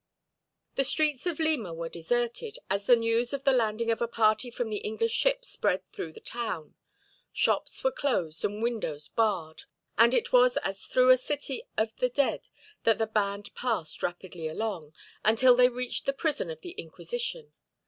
The streets of Lima were deserted, as the news of the landing of a party from the English ship spread through the town; shops were closed and windows barred, and it was as through a city of the dead that the band passed rapidly along, until they reached the prison of the Inquisition.